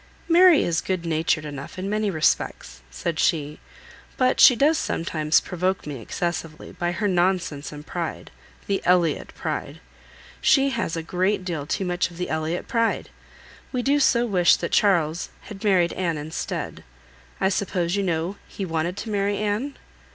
"Mary is good natured enough in many respects," said she; "but she does sometimes provoke me excessively, by her nonsense and pride—the Elliot pride. She has a great deal too much of the Elliot pride. We do so wish that Charles had married Anne instead. I suppose you know he wanted to marry Anne?"